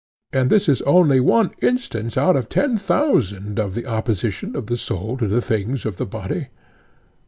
And this is only one instance out of ten thousand of the opposition of the soul to the things of the body.